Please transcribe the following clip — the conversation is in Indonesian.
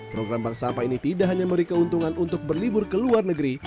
program bank sampah ini tidak hanya memberi keuntungan untuk berlibur ke luar negeri